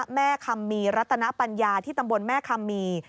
คำมีรัตนปัญญาที่ตำบลแม่คำมี